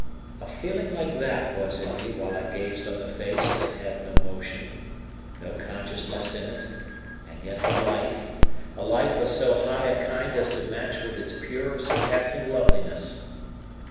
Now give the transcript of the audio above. A feeling like that was in me while I gazed on the face that had no motion, no consciousness in it, and yet had life, a life of so high a kind as to match with its pure, surpassing loveliness.